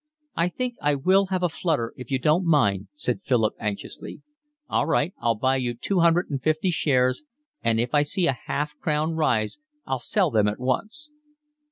"I think I will have a flutter if you don't mind," said Philip anxiously. "All right. I'll buy you two hundred and fifty shares and if I see a half crown rise I'll sell them at once."